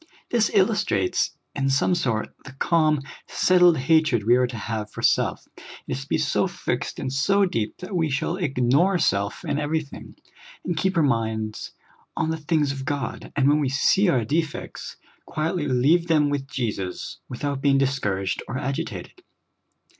This illustrates, in some sort, the calm, settled hatred we are to have for self. It is to be so fixed and so deep that we shall ignore self in everything, and keep our minds on the things of God, and when we see our defects, quietl}^ leave them with Jesus, without being divScouraged or agi tated.